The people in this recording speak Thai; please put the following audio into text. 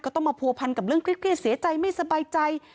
ต้องมาผัวพันกับเรื่องเครียดเสียใจไม่สบายใจ